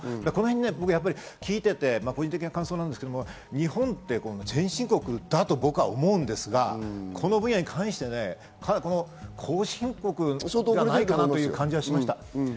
僕、聞いていて個人的な感想ですけど、日本って先進国だと僕は思うんですが、この分野に関して後進国じゃないかなという感じがしました。